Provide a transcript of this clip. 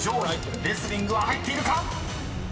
［レスリングは入っているか⁉］